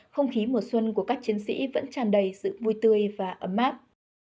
không khí mùa xuân của các chiến sĩ vẫn tràn đầy sự vui tươi và ấm áp